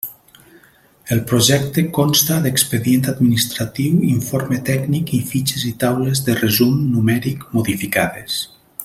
El projecte consta d'expedient administratiu, informe tècnic i fitxes i taules de resum numèric modificades.